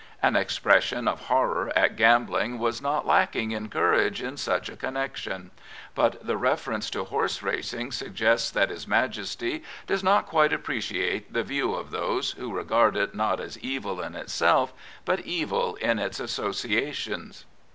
An expression of horror at gambling was not lacking in courage in such a connection; but the reference to horse racing suggests that his Majesty does not quite appreciate the view of those who regard it not as evil in itself, but evil in its associations.